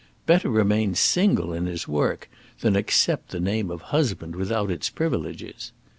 Better remain single in his work than accept the name of husband without its privileges!